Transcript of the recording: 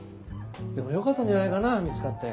でもよかったんじゃないかな見つかって。